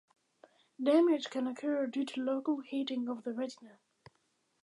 Damage can occur due to local heating of the retina.